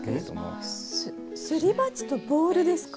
すり鉢とボールですか？